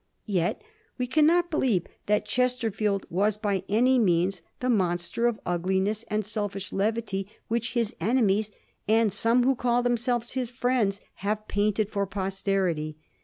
Yet we cannot believe that Chesterfield was by any means the monster of ugliness and selfish levity whom his enemies, and some who called themselves his friends, have painted for posterity.